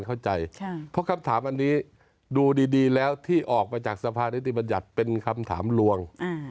เข้าใจเพราะคำถามอันนี้ดูดีแล้วที่ออกมาจากสภานิติบัญญัติเป็นคำถามลวง